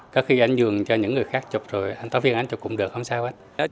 có khi anh dường cho những người khác chụp rồi anh cáo viên anh chụp cùng được không sao hết